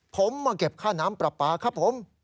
ผมมาเก็บค่าน้ำปลาปลาครับผม